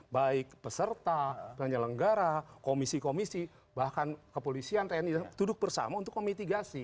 baik peserta penyelenggara komisi komisi bahkan kepolisian tni duduk bersama untuk memitigasi